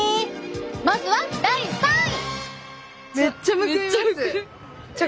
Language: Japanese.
まずは第３位！